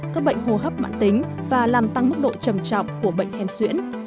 các bệnh hô hấp mạng tính và làm tăng mức độ trầm trọng của bệnh hèn xuyễn